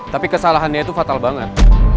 tapi kesalahannya itu fatal banget